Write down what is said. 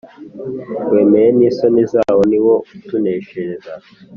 Wemeye n'isoni zawo: Ni wo utuneshereza.